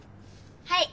はい。